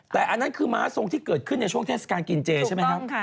แต่อันนั้นคือม้าทรงที่เกิดขึ้นในช่วงเทศกาลกินเจใช่ไหมครับ